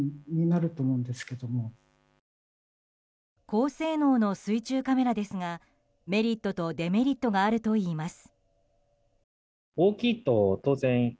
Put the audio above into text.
高性能の水中カメラですがメリットとデメリットがあるといいます。